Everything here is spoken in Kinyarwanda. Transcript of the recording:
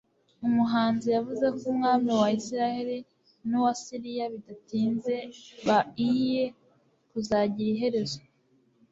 umuhanuzi yavuze ko umwami wa isirayeli n'uwa siriya bidatinze baiye kuzagira iherezo